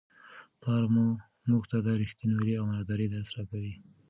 پلار موږ ته د رښتینولۍ او امانتدارۍ درس راکوي.